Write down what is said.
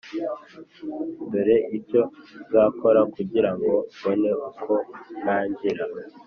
Dore icyo nzakora kugira ngo mbone uko ntangira